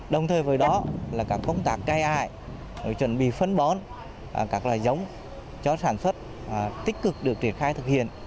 đồng thời với đó là các công tác cây ải chuẩn bị phân bón các loài giống cho sản xuất tích cực được triển khai thực hiện